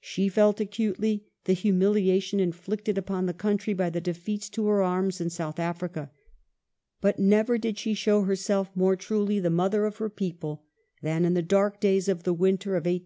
She felt acutely the humiliation inflicted upon the country by the defeats to her ai ms in South Africa,^ but never did she show herself more truly the mother of her people than in the dark days of the winter 1899 1900.